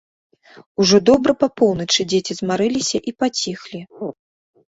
Ужо добра па поўначы дзеці змарыліся і паціхлі.